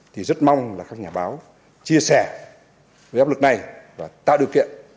thì rất mong là các nhà báo chia sẻ về áp lực này và tạo điều kiện